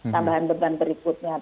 tambahan beban berikutnya